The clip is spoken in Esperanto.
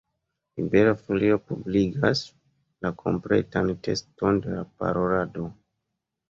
Libera Folio publikigas la kompletan tekston de la parolado.